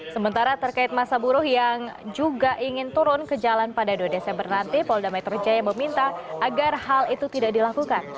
sementara terkait masa buruh yang juga ingin turun ke jalan pada dua desember nanti polda metro jaya meminta agar hal itu tidak dilakukan